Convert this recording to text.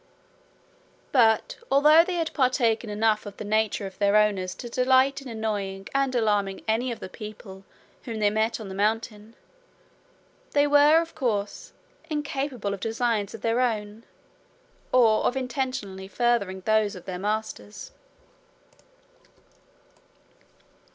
But although they had partaken enough of the nature of their owners to delight in annoying and alarming any of the people whom they met on the mountain, they were, of course, incapable of designs of their own, or of intentionally furthering those of their masters.